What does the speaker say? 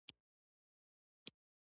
که مو سر وښوراوه نو په کوتک به ووهل شئ.